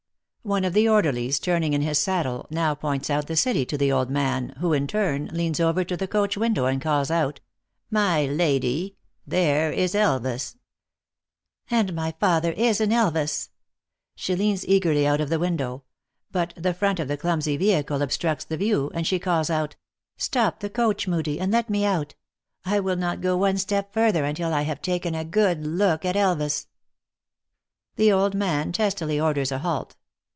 One of the orderlies, turning in his saddle, now points out the city to the old man, who, in turn, leans over to the coach window, and calls out, " My lady, there is Elvas !" "And my father is in Elvas!" She leans eagerly out of the window ; but the front of the clumsy vehi cle obstructs the view, and she calls out, " Stop the coach, Hoodie, and let me out. I will not go one step further until I have taken a good look at Elvas." The old man testily orders a halt.